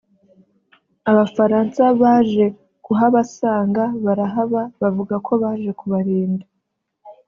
Abafaransa baje kuhabasanga barahaba bavuga ko baje kubarinda